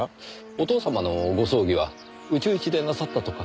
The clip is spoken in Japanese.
お父様のご葬儀は内々でなさったとか？